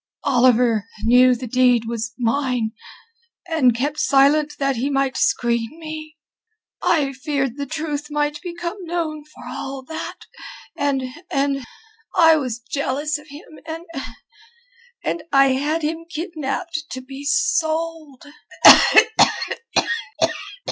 Oliver knew the deed was mine, and kept silent that he might screen me. I feared the truth might become known for all that... and... and I was jealous of him, and... and I had him kidnapped to be sold...."